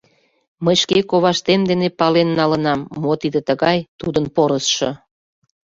Мый шке коваштем дене пален налынам, мо тиде тыгай, тудын порысшо.